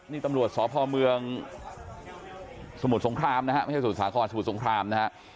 นี่ตำรวจสพเมืองสมุทรสงครามนะฮะไม่ใช่สมุทรสาครสมุทรสงครามนะฮะ